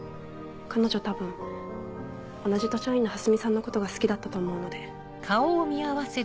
彼女多分同じ図書委員の蓮見さんのことが好きだったと思うので。